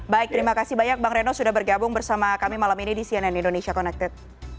baik terima kasih banyak bang reno sudah bergabung bersama kami malam ini di cnn indonesia connected